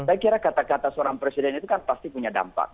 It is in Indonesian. saya kira kata kata seorang presiden itu kan pasti punya dampak